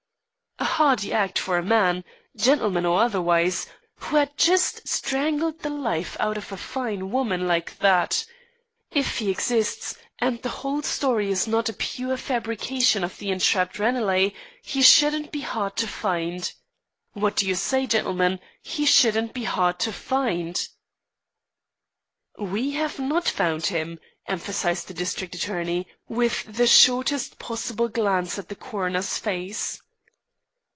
"A hardy act for any man, gentleman or otherwise, who had just strangled the life out of a fine woman like that. If he exists and the whole story is not a pure fabrication of the entrapped Ranelagh, he shouldn't be hard to find. What do you say, gentlemen? He shouldn't be hard to find." "We have not found him," emphasised the district attorney, with the shortest possible glance at the coroner's face.